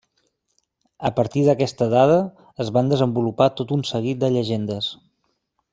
A partir d'aquesta dada, es van desenvolupar tot un seguit de llegendes.